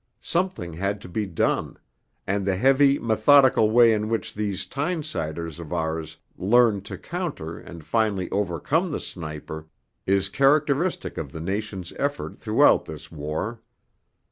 Something had to be done; and the heavy, methodical way in which these Tynesiders of ours learned to counter and finally overcome the sniper, is characteristic of the nation's effort throughout this war.